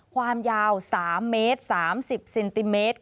ความยาว๓เมตร๓๐เซนติเมตร